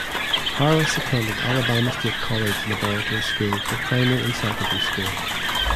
Harris attended Alabama State College laboratory school for primary and secondary school.